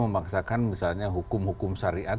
memaksakan misalnya hukum hukum syariat